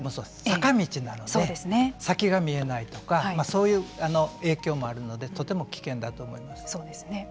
坂道なので先が見えないとかそういう影響もあるのでとても危険だと思います。